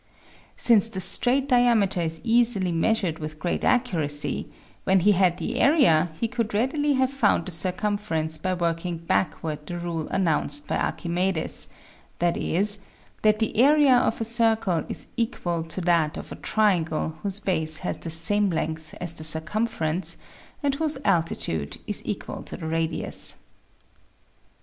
Since the straight diameter is easily measured with great accuracy, when he had the area he could readily have found the circumference by working backward the rule announced by Archimedes, viz : that the area of a circle is equal to that of a triangle whose base has the same length as the circumference and whose altitude is equal to the radius.